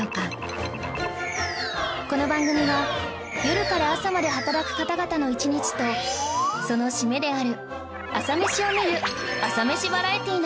この番組は夜から朝まで働く方々の一日とその締めである朝メシを見る朝メシバラエティなのです